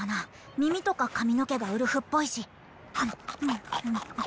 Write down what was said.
耳とか髪の毛がウルフっぽいし。